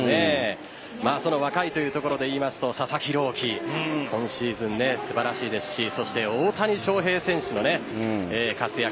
その若いというところでいいますと、佐々木朗希今シーズン素晴らしいですし大谷翔平選手の活躍。